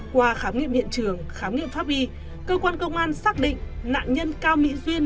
qua khám nghiệm hiện trường khám nghiệm pháp y cơ quan công an xác định nạn nhân cao mỹ duyên